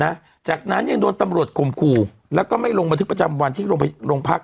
นะจากนั้นยังโดนตำรวจข่มขู่แล้วก็ไม่ลงบันทึกประจำวันที่ลงโรงพัก